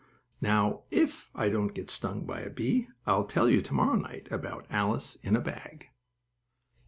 Now, if I don't get stung by a bee, I'll tell you to morrow night about Alice in a bag.